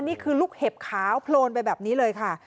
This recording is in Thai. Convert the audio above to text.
นี่คือลูกเห็บขาวโพลนไปแบบนี้เลยค่ะ